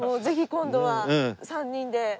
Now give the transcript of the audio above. ぜひ今度は３人で。